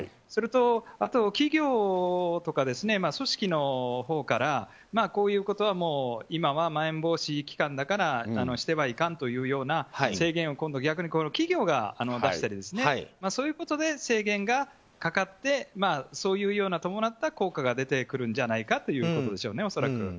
すると、企業とか組織のほうからこういうことはもう今は、まん延防止期間だからしてはいかんというような制限を逆に企業が出したりそういうことで制限がかかってそういうような伴った効果が出てくるんじゃないかということですよね、恐らく。